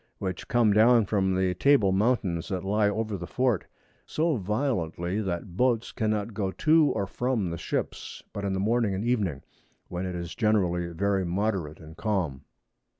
E. which come down from the Table Mountains that lie over the Fort, so violently, that Boats cannot go to or from the Ships, but in the Morning and Evening, when it is generally very moderate and calm.